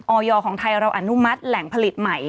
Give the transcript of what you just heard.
อยของไทยเราอนุมัติแหล่งผลิตใหม่